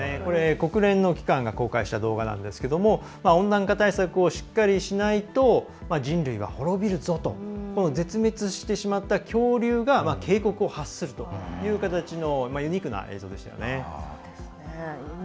国連の機関が公開した動画なんですけども温暖化対策をしっかりしないと人類は滅びるぞと絶滅してしまった恐竜が警告を発するという形のユニークな映像でしたよね。